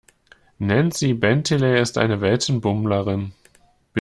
Nancy Bentele ist eine Weltenbummlerin.